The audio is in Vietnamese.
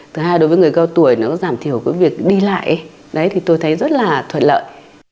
thứ hai đối với người cao tuổi nó giảm thiểu cái việc đi lại đấy thì tôi thấy rất là thuận lợi